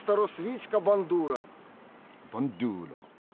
バンドゥーラ。